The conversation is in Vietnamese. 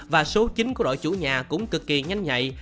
và số chín của đội chủ nhà cũng cực kỳ nhanh nhạy